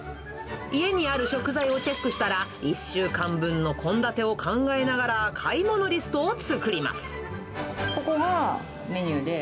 家にある食材をチェックしたら、１週間分の献立を考えながら、ここがメニューで。